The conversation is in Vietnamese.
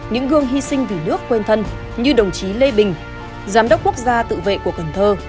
những gương hy sinh vì nước quên thân như đồng chí lê bình giám đốc quốc gia tự vệ của cần thơ